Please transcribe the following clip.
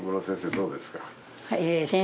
そうですか。